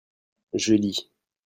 je lis.